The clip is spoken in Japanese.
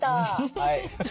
はい。